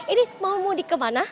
ini mau mudik kemana